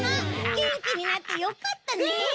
げんきになってよかったね。